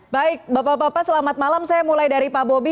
baik bapak bapak selamat malam saya mulai dari pak bobi